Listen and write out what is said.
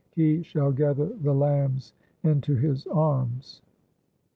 HE shall gather the lambs into His arms.